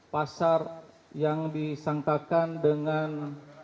pasal yang disangkakan dengan